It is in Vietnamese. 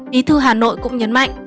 bí thư hà nội cũng nhấn mạnh